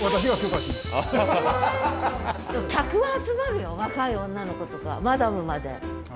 客は集まるよ若い女の子とかマダムまで。